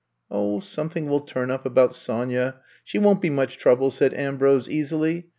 '' *'0h, something will turn up about Sonya — she won't be much trouble," said Ambrose easily.